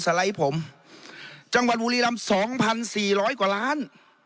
ไลด์ผมจังหวัดบุรีรำสองพันสี่ร้อยกว่าล้าน